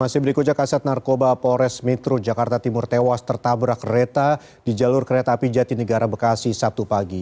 masih berikutnya kaset narkoba polres metro jakarta timur tewas tertabrak kereta di jalur kereta api jatinegara bekasi sabtu pagi